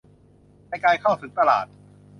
ในการเข้าถึงตลาด